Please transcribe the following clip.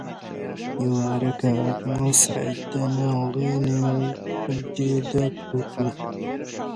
ئێوارە کە هاتمەوە سەعید دەناڵێنێ و لە جێدا کەوتووە: